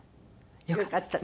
よかった？